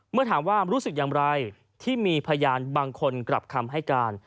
เมื่อถามว่ารู้สึกอย่างไรที่มีพยานบางคนกลับคำให้การ